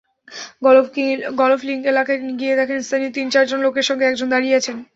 Golf link এলাকায় গিয়ে দেখেন, স্থানীয় তিন-চারজন লোকের সঙ্গে একজন দাঁড়িয়ে আছেন।